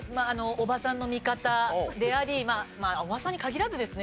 おばさんの味方でありまあおばさんに限らずですね。